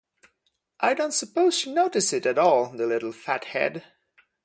I don't suppose she noticed it at all, the little fathead.